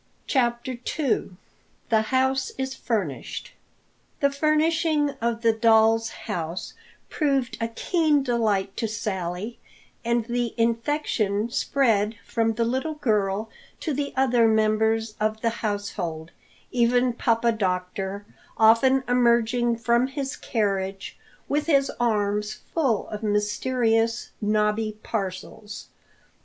CHAPTER II THE HOUSE IS FURNISHED THE furnishing of the doll's house proved a keen delight to Sally, and the infection spread from the little girl to the other members of the household, even Papa Doctor often emerging from his carriage with his arms full of mysterious, knobby parcels.